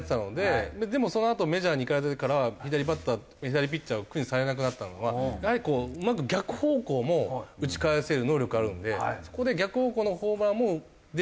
でもそのあとメジャーに行かれてから左バッター左ピッチャーを苦にされなくなったのはやはりうまく逆方向も打ち返せる能力があるのでそこで逆方向のホーマーも出るようになったじゃないですか。